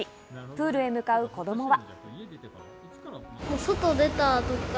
プールへ向かう子供は。